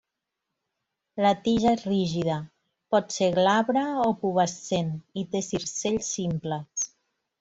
La tija és rígida, pot ser glabre o pubescent i té circells simples.